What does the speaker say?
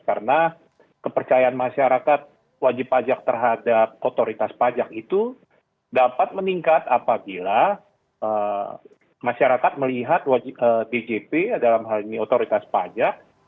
karena kepercayaan masyarakat wajib pajak terhadap otoritas pajak itu dapat meningkat apabila masyarakat melihat djp dalam hal ini otoritas pajak